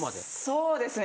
そうですね。